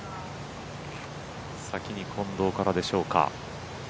先に近藤からでしょうか。